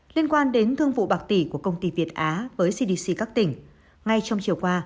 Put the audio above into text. liên quan đến thương vụ bạc tỷ của công ty việt á với cdc các tỉnh ngay trong chiều qua